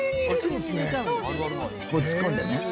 もう突っ込んでね。